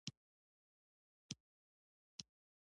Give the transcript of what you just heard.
خاټک د چنار کوڅې یخنۍ ته د قیامت سیلۍ ویله.